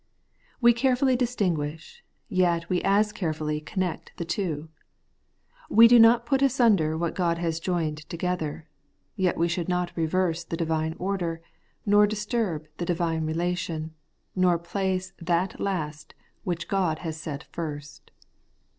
We carefully distinguish, yet we as carefully con nect the two. We do not put asunder what God has joined together ; yet we would not reverse the divine order, nor disturb the divine relation, nor place that last which God has set first.